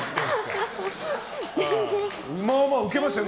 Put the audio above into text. まあまあウケましたね